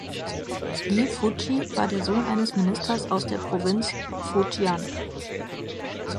Li Fuji war der Sohn eines Ministers aus der Provinz Fujian.